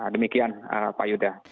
demikian pak yuda